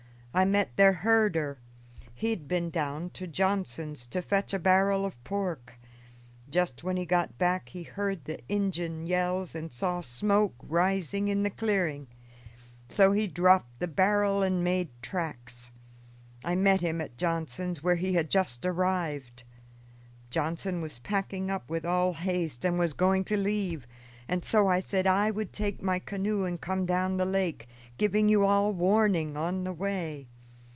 "I met their herder; he had been down to Johnson's to fetch a barrel of pork. Just when he got back he heard the Injun yells and saw smoke rising in the clearing, so he dropped the barrel and made tracks. I met him at Johnson's, where he had just arrived. Johnson was packing up with all haste and was going to leave, and so I said I would take my canoe and come down the lake, giving you all warning on the way.